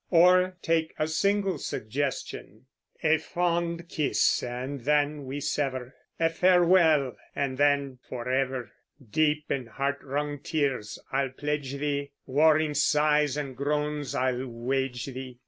Or take a single suggestion, Ae fond kiss, and then we sever! Ae farewell, and then forever! Deep in heart wrung tears I'll pledge thee, Warring sighs and groans I'll wage thee.